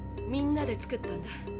みんなで作ったんだ。